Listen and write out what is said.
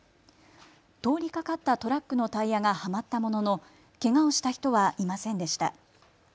通りかかったトラックのタイヤがはまったもののけがをした人はいませんでした。